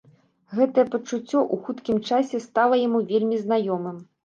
Гэтае пачуццё ў хуткім часе стала яму вельмі знаёмым.